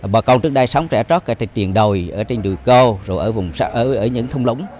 bà con trước đây sống trẻ trót ở trên triền đồi ở trên đùi câu rồi ở vùng xã ở những thông lũng